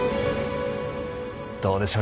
どうでしょう